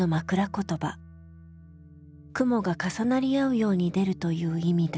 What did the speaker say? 「雲が重なり合うように出る」という意味だ。